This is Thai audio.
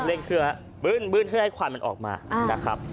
เล่นเครื่องฮะปื้นปื้นเครื่องให้ควันมันออกมาอ่านะครับ